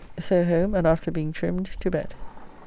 So home, and after being trimmed, to bed.